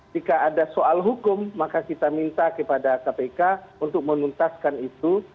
jika ada soal hukum maka kita minta kepada kpk untuk menuntaskan itu